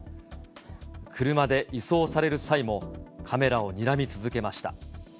車で移送される際も、カメラをにらみ続けました。